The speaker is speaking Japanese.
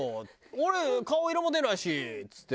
「俺顔色も出ないし」っつって。